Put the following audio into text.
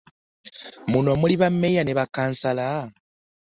Muno omuli bammeeya ne bakkansala.